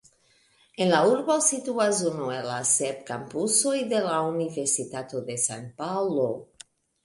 En la urbo situas unu el la sep kampusoj de la Universitato de San-Paŭlo.